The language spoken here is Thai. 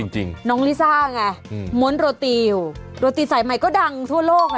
จริงน้องลิซ่าไงม้วนโรตีอยู่โรตีสายใหม่ก็ดังทั่วโลกอ่ะ